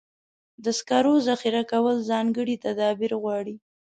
د سکرو ذخیره کول ځانګړي تدابیر غواړي.